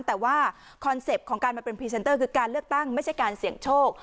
แต่ว่าคอนเซ็ปต์ของการมาเป็นพรีเซนเตอร์คือการเลือกตั้งไม่ใช่การเสี่ยงโชค